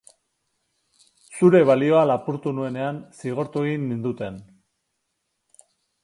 Zure balioa lapurtu nuenean, zigortu egin ninduten